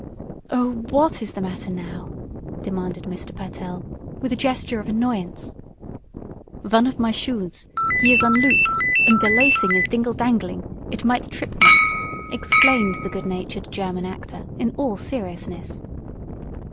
"Oh, what's the matter now?" demanded Mr. Pertell, with a gesture of annoyance. "Vun of mine shoes he iss unloose, und der lacing is dingle dangling. It might trip me!" explained the good natured German actor, in all seriousness.